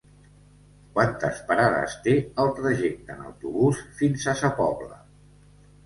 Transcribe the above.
Quantes parades té el trajecte en autobús fins a Sa Pobla?